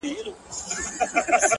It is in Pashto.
فکر مي وران دی حافظه مي ورانه ‘